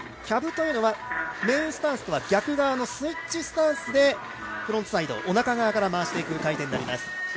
キャブというのはメインスタンスとは逆側のスイッチスタンスでフロントサイド、おなか側から回していく回転になります。